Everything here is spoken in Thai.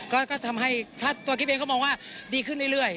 ก็ทำให้ถ้าตัวกิ๊บเองก็มองว่าดีขึ้นเรื่อย